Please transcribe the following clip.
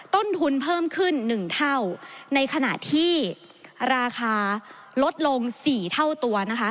ต้นทุนเพิ่มขึ้น๑เท่าในขณะที่ราคาลดลง๔เท่าตัวนะคะ